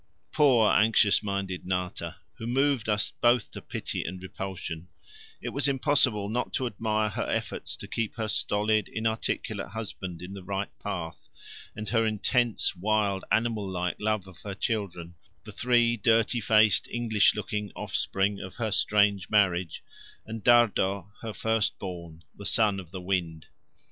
Poor anxious minded Nata, who moved us both to pity and repulsion, it was impossible not to admire her efforts to keep her stolid inarticulate husband in the right path and her intense wild animal like love of her children the three dirty faced English looking offspring of her strange marriage, and Dardo, her firstborn, the son of the wind.